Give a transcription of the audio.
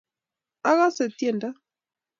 Akase tyendo